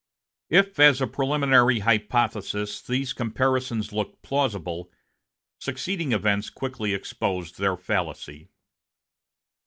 If as a preliminary hypothesis these comparisons looked plausible, succeeding events quickly exposed their fallacy.